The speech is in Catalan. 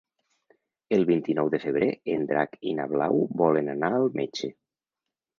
El vint-i-nou de febrer en Drac i na Blau volen anar al metge.